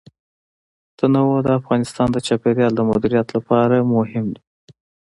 تنوع د افغانستان د چاپیریال د مدیریت لپاره مهم دي.